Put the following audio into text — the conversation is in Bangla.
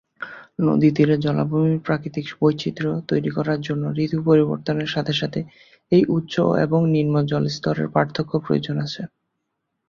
নদী তীরের জলাভূমির প্রাকৃতিক বৈচিত্র্য তৈরি করার জন্য ঋতু পরিবর্তনের সাথে সাথে এই উচ্চ এবং নিম্ন জল-স্তরের পার্থক্যের প্রয়োজন আছে।